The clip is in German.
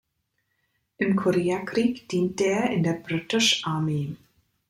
Im Koreakrieg diente er in der British Army.